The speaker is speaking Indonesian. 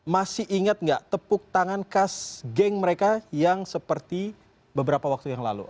masih ingat nggak tepuk tangan khas geng mereka yang seperti beberapa waktu yang lalu